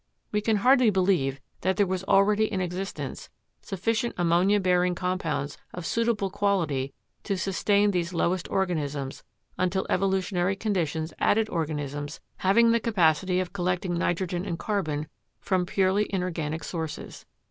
We can hardly believe that there was already in existence sufficient ammonia bearing compounds of suitable quality to sustain these lowest organisms until evolutionary conditions added organisms having the capacity of collecting nitrogen and carbon from purely inorganic sources.